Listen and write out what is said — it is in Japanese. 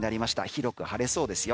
広く晴れそうですよ